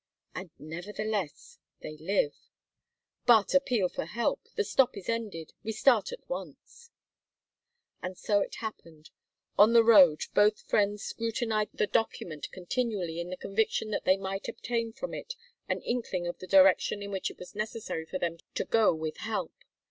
"And nevertheless they live." "But appeal for help. The stop is ended. We start at once." And so it happened. On the road both friends scrutinized the document continually in the conviction that they might obtain from it an inkling of the direction in which it was necessary for them to go with help.